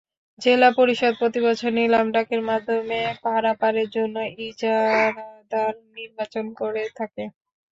জেলা পরিষদ প্রতিবছর নিলাম ডাকের মাধ্যমে পারাপারের জন্য ইজারাদার নির্বাচন করে থাকে।